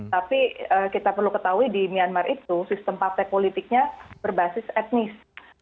tapi kita perlu ketahui di myanmar itu sistem partai politiknya berbasis etnis